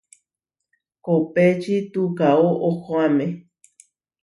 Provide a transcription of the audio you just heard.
Kopéči tukaó ohoáme.